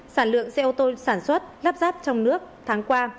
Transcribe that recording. sản lượng xe ô tô sản xuất lắp ráp trong nước tháng qua